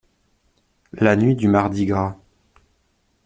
La nuit du Mardi-Gras.